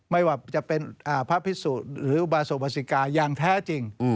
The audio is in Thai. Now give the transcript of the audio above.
ไม่ว่าจะเป็นพระพิสุหรืออุบาสุภาษิกาอย่างแท้จริง